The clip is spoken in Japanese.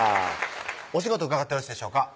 お仕事伺ってよろしいでしょうか